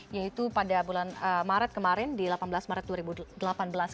yaitu pada bulan maret kemarin di delapan belas maret dua ribu delapan belas